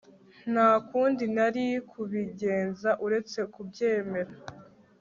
Nta kundi nari kubigenza uretse kubyemera